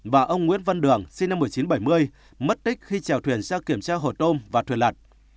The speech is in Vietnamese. và ông nguyễn văn đường sinh năm một nghìn chín trăm bảy mươi mất tích khi trèo thuyền ra kiểm tra hồ tôm và thuyền lật